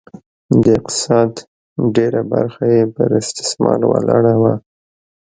د اقتصاد ډېره برخه یې پر استثمار ولاړه وه